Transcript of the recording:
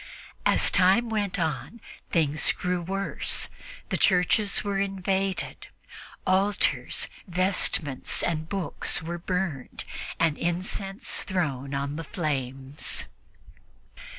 As time went on, things grew worse. The churches were invaded; altars, vestments and books were burned and incense thrown on the flames.